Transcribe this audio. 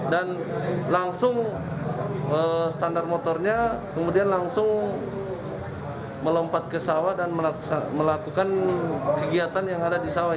dan langsung standar motornya kemudian langsung melompat ke sawah dan melakukan kegiatan yang ada di sawah